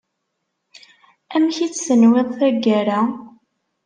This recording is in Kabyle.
Amek i tt-tenwiḍ taggara.